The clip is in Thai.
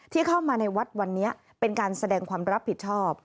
ที่เข้ามาในวัดวันนี้เป็นการแสดงความรับผิดชอบ